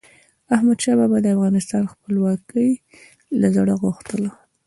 احمدشاه بابا به د افغانستان خپلواکي له زړه غوښتله.